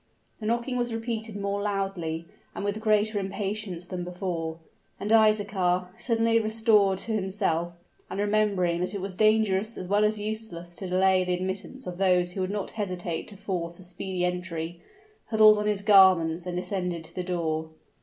The knocking was repeated more loudly and with greater impatience than before; and Isaachar, suddenly restored to himself, and remembering that it was dangerous as well as useless to delay the admittance of those who would not hesitate to force a speedy entry, huddled on his garments, and descended to the door.